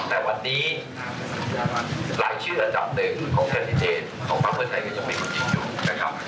แต่วันนี้หลายชื่อจำหนึ่งของแคนดิเตรียมของภักดิ์เพื่อนไทยก็ยังมีคนยืนอยู่นะครับ